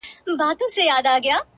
د غيږي د خوشبو وږم له مياشتو حيسيږي؛